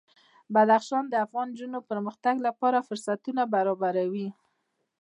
بدخشان د افغان نجونو د پرمختګ لپاره فرصتونه برابروي.